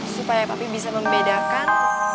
supaya papi bisa membedakan